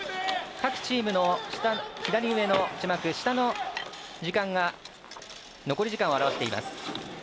各チームの左上の字幕下の時間が残り時間を表しています。